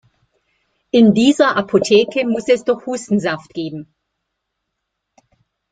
In dieser Apotheke muss es doch Hustensaft geben!